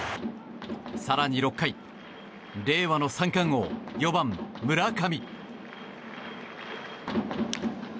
更に６回、令和の三冠王４番、村上。